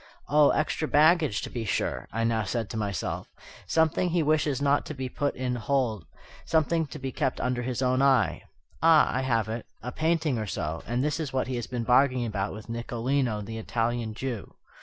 "Oh, extra baggage, to be sure," I now said to myself; "something he wishes not to be put in the hold, something to be kept under his own eye, ah, I have it! a painting or so, and this is what he has been bargaining about with Nicolino, the Italian Jew."